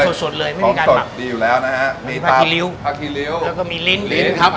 ไม่มีการหมักพร้อมสดดีอยู่แล้วนะฮะมีภาคีริ้วภาคีริ้วแล้วก็มีลิ้นลิ้นครับ